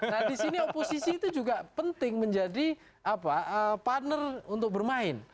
nah di sini oposisi itu juga penting menjadi partner untuk bermain